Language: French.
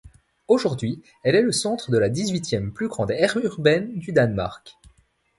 Aujourd'hui, elle est le centre de la dix-huitième plus grande aire urbaine du Danemark.